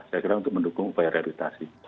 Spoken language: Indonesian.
saya kira untuk mendukung upaya reotasi